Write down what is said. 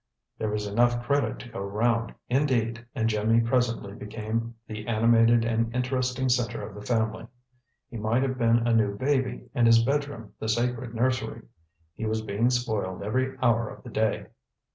There was enough credit to go round, indeed, and Jimmy presently became the animated and interesting center of the family. He might have been a new baby and his bedroom the sacred nursery. He was being spoiled every hour of the day.